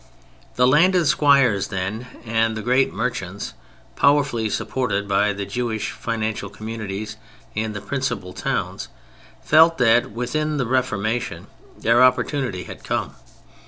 The landed squires then, and the great merchants, powerfully supported by the Jewish financial communities in the principal towns, felt that—with the Reformation—their opportunity had come.